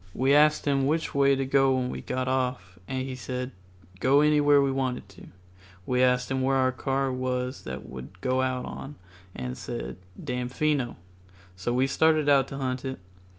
We asked him which way to go when we got off, and he said go anyway we wanted to. We asked him where our car was that we would go out on, and he said, "Damfino." So we started out to hunt it.